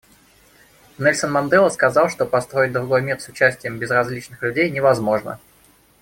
Нельсон Мандела сказал, что построить другой мир с участием безразличных людей невозможно.